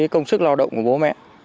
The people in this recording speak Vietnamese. công sức lao động của bố mẹ